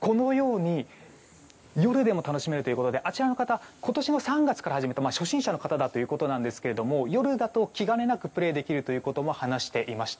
このように夜でも楽しめるということであちらの方今年の３月から始めて初心者の方だということですが夜だと気兼ねなくプレーできるということも話していました。